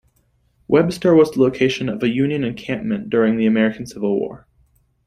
Webster was the location of a Union encampment during the American Civil War.